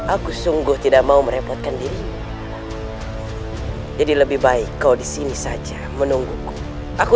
aku sungguh tidak mau merepotkan diri jadi lebih baik kau disini saja menungguku aku